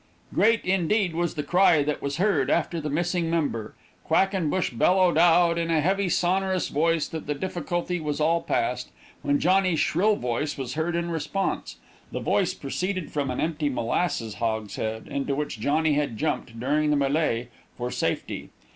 Great, indeed, was the cry that was heard after the missing member. Quackenbush bellowed out, in a heavy, sonorous voice, that the difficulty was all past, when Johnny's shrill voice was heard in response. The voice proceeded from an empty molasses hogshead, into which Johnny had jumped, during the melee, for safety.